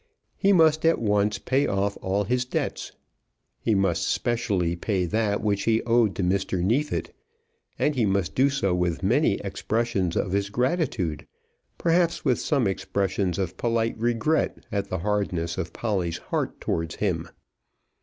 He must at once pay off all his debts. He must especially pay that which he owed to Mr. Neefit; and he must do so with many expressions of his gratitude, perhaps with some expressions of polite regret at the hardness of Polly's heart towards him.